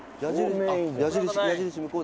矢印向こうだ。